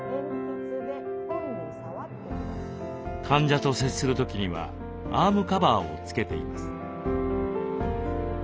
患者と接する時にはアームカバーを付けています。